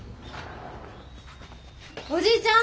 おじいちゃん。